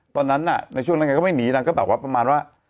ตอนนั้นน่ะในช่วงนั้นแกก็ไม่หนีนางก็แบบว่าประมาณว่า